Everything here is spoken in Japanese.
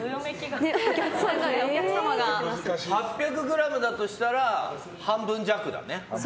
８００ｇだとしたら半分弱だね。